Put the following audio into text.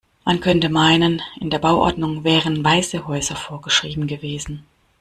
Man könnte meinen, in der Bauordnung wären weiße Häuser vorgeschrieben gewesen.